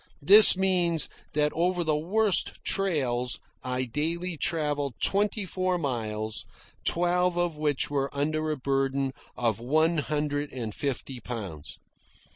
This means that over the worst trails I daily travelled twenty four miles, twelve of which were under a burden of one hundred and fifty pounds.